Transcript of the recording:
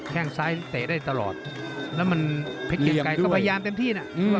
แค่งซ้ายเตะได้ตลอดแล้วมันเพชรเกียงไกรก็พยายามเต็มที่นะ